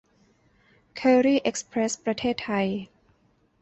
เคอรี่ เอ็กซ์เพรส ประเทศไทย